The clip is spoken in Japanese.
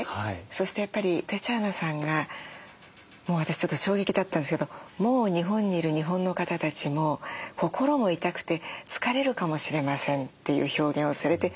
そしてやっぱりテチャーナさんがもう私ちょっと衝撃だったんですけど「もう日本にいる日本の方たちも心も痛くて疲れるかもしれません」という表現をされて。